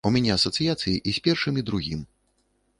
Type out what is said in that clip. У мяне асацыяцыі і з першым і другім.